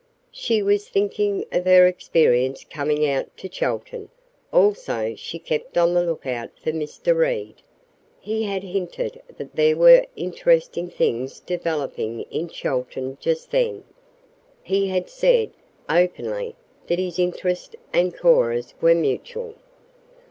She was thinking of her experience coming out to Chelton; also she kept on the lookout for Mr. Reed. He had hinted that there were interesting things developing in Chelton just then. He had said openly that his interest and Cora's were mutual.